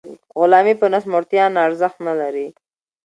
غلامي په نس موړتیا نه ارزښت نلري.